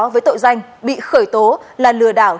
với tội danh bị khởi tố là lừa đảo